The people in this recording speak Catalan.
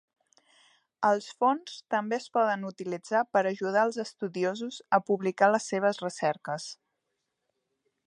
Els fons també es poden utilitzar per ajudar els estudiosos a publicar les seves recerques.